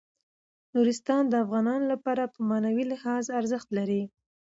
نورستان د افغانانو لپاره په معنوي لحاظ ارزښت لري.